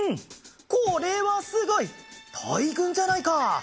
これはすごい！たいぐんじゃないか。